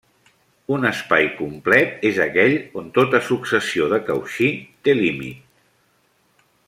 Un espai complet és aquell on tota successió de Cauchy té límit.